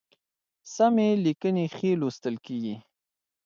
سمي لیکنی ښی لوستل کیږي